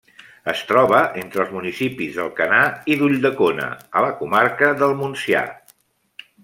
Es troba entre els municipis d'Alcanar i d'Ulldecona, a la comarca del Montsià.